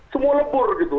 semua lebur gitu